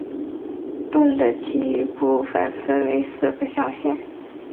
盾的其余部分分为四个象限。